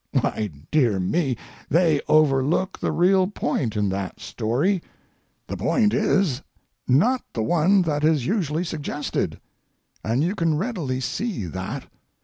Why, dear me, they overlook the real point in that story. The point is not the one that is usually suggested, and you can readily see that.